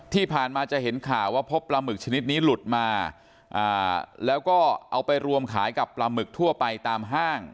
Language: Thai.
ที่ผ่านมาจะเห็นข่าวว่าพบปลาหมึกชนิดนี้หลุดมาแล้วก็เอาไปรวมขายกับปลาหมึกทั่วไปตามห้าง